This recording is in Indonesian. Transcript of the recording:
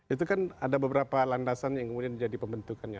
itu kan ada beberapa landasan yang kemudian jadi pembentukannya